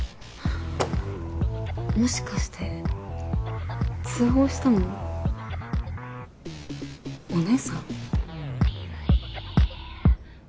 もしかして通報したのお姉さん？